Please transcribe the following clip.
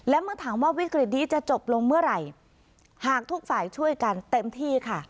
และเมื่อถามว่าวิกฤตนี้จะจบลงเมื่อไหร่หากทุกฝ่ายช่วยกันเต็มที่ค่ะ